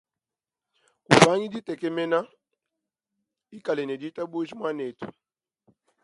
Kupangi ditekemena ikala ne ditabuja muanetu.